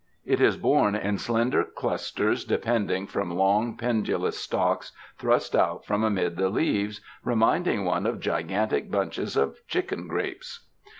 It is borne in slender clusters depending from long, pendulous stalks thrust out from amid the leaves, re minding one of gigantic bunches of chicken grapes.